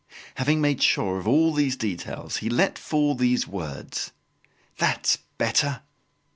Having made sure of all these details, he let fall these words: "That's better!"